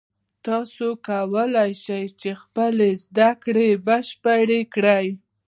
دلته تاسو کولای شئ چې خپلې زده کړې بشپړې کړئ